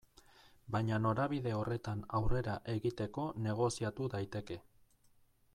Baina norabide horretan aurrera egiteko negoziatu daiteke.